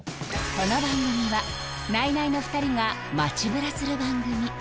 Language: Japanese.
この番組はナイナイの２人が街ブラする番組